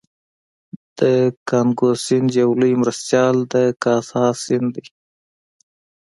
د کانګو سیند یو لوی مرستیال د کاسای سیند دی